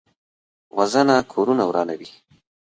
وژنه کورونه ورانوي